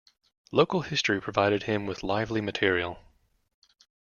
Local history provided him with lively material.